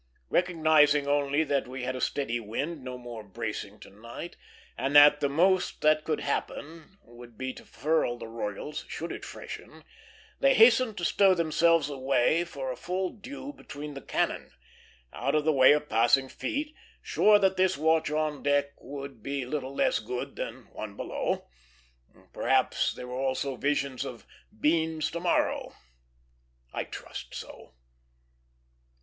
Recognizing only that we had a steady wind, no more bracing to night, and that the most that could happen would be to furl the royals should it freshen, they hastened to stow themselves away for a full due between the cannon, out of the way of passing feet, sure that this watch on deck would be little less good than one below. Perhaps there were also visions of "beans to morrow." I trust so.